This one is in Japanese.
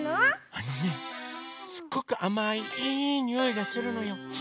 あのねすごくあまいいいにおいがするのよ。